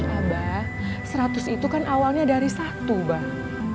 abah seratus itu kan awalnya dari satu bang